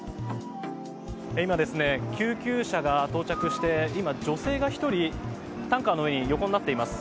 今、救急車が到着して今、女性が１人担架の上に横になっています。